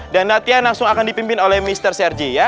dan latihan langsung akan dipimpin oleh mr sergi